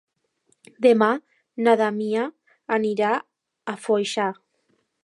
Demà na Damià anirà a Foixà.